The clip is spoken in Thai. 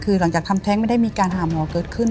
คือหลังจากทำแท้งไม่ได้มีการหาหมอเกิดขึ้น